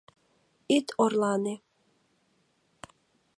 — Ит орлане.